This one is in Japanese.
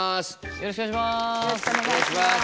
よろしくお願いします。